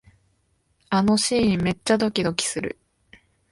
あのシーン、めっちゃドキドキする